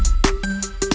gak ada yang nungguin